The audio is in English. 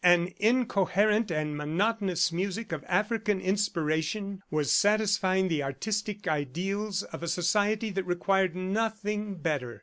An incoherent and monotonous music of African inspiration was satisfying the artistic ideals of a society that required nothing better.